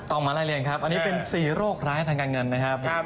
มาไล่เรียงครับอันนี้เป็น๔โรคร้ายทางการเงินนะครับ